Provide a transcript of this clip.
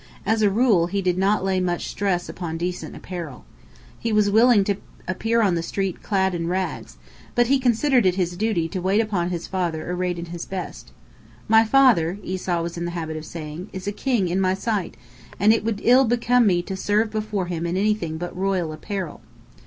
As a rule, he did not lay much stress upon decent apparel. He was willing to appear on the street clad in rags, but he considered it his duty to wait upon his father arrayed in his best. "My father," Esau was in the habit of saying, "is a king in my sight, and it would ill become me to serve before him in any thing but royal apparel."